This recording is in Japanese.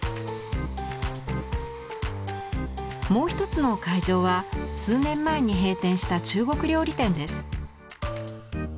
もう一つの会場は数年前に閉店した中国料理店です。